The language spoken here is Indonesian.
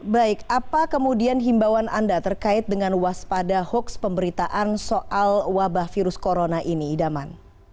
baik apa kemudian himbauan anda terkait dengan waspada hoax pemberitaan soal wabah virus corona ini idaman